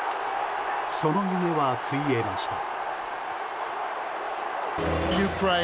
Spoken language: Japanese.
その夢はついえました。